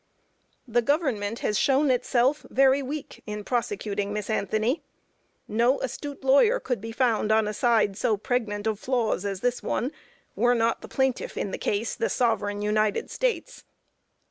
The government has shown itself very weak in prosecuting Miss Anthony. No astute lawyer could be found on a side so pregnant of flaws as this one, were not the plaintiff in the case, the sovereign United States.